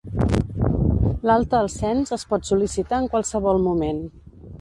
L'alta al Cens es pot sol·licitar en qualsevol moment.